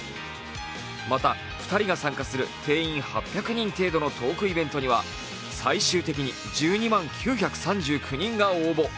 また２人が参加する定員８００人程度のトークイベントには最終的に１２万９３９人が応募。